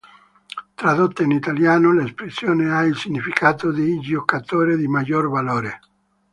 Tradotta in italiano, l'espressione ha il significato di "giocatore di maggior valore".